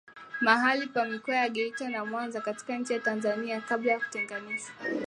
Mahali pa Mikoa ya Geita na Mwanza katika nchi ya Tanzania kabla ya kutenganishwa